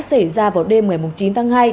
xảy ra vào đêm ngày chín tháng hai